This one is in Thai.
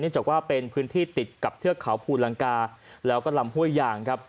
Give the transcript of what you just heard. จากว่าเป็นพื้นที่ติดกับเทือกเขาภูลังกาแล้วก็ลำห้วยยางครับ